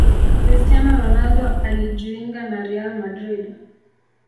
Cristiano Ronaldo alijuinga na Real Madrid